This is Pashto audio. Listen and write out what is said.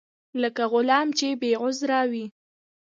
لکه غلام چې بې عذره وي.